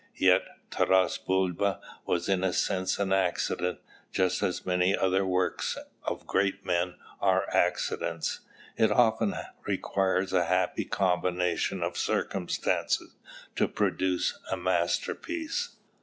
Yet "Taras Bulba" was in a sense an accident, just as many other works of great men are accidents. It often requires a happy combination of circumstances to produce a masterpiece.